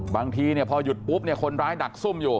บางทีพอหยุดปุ๊บเนี่ยคนร้ายดักซุ่มอยู่